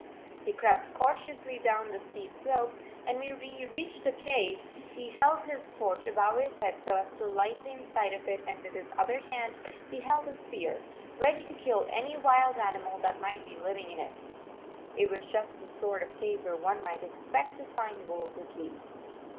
121 He crept cautiously down the steep slope, and when he reached the cave, he held his torch above his head so as to light the in side of it, and with his other hand he held his spear, ready to kill any wild animal that 122 might be living in it. It was just the sort of cave where one might expect to find wolves at least.